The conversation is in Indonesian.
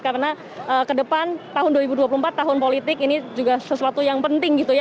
karena ke depan tahun dua ribu dua puluh empat tahun politik ini juga sesuatu yang penting gitu ya